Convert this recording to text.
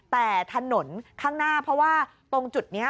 แต่ถนนข้างหน้าเพราะว่าตรงจุดนี้